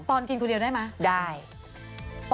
ปอนกินคนเดียวได้ไหม